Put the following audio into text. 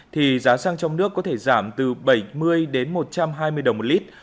thì giá sang trong nước có thể giảm từ bảy mươi đến một trăm hai mươi đồng lít